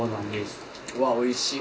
うわおいしい。